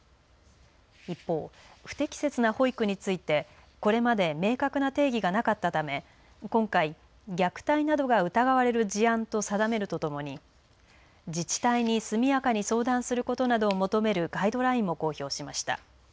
一方、不適切な保育についてこれまで明確な定義がなかったため今回、虐待などが疑われる事案と定めるとともに自治体に速やかに相談することなどを求めるガイドラインも公表しました。